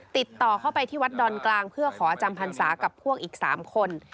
ติดต่อเข้าไปที่วัดดอนกลางเพื่อขอจำพรรษากับพวกอีก๓คน